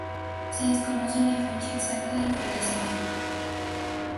Se desconoce la fecha exacta del fallecimiento.